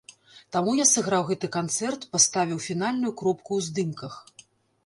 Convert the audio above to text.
Таму я сыграў гэты канцэрт, паставіў фінальную кропку ў здымках.